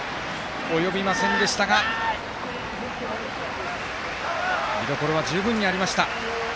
及びませんでしたが見どころは十分にありました。